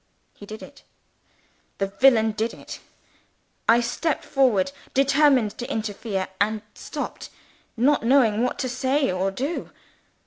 He did it. The villain did it. I stepped forward, determined to interfere and stopped, not knowing what to say or do.